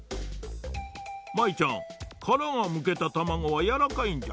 舞ちゃんからがむけたたまごはやわらかいんじゃ。